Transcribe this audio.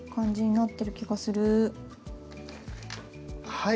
はい。